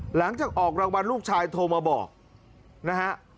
หลังจากออกรางวัลลูกชายโทรมาบอกนะฮะ